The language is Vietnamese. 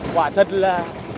quả thật là